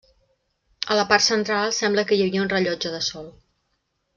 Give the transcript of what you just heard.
A la part central sembla que hi havia un rellotge de sol.